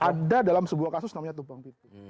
ada dalam sebuah kasus namanya tumpang pipi